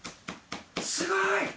すごい！